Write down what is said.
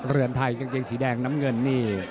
เรือนไทยกางเกงสีแดงน้ำเงินนี่